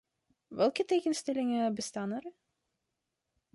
Welke tegenstellingen bestaan er?